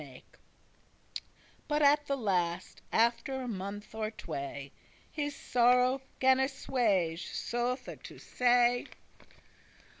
* *mate But at the last, after a month or tway, His sorrow gan assuage, soothe to say.